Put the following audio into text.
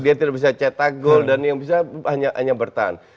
dia tidak bisa cetak gol dan yang bisa hanya bertahan